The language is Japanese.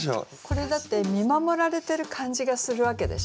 これだって見守られてる感じがするわけでしょ。